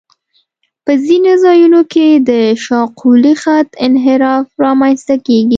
په ځینو ځایونو کې د شاقولي خط انحراف رامنځته کیږي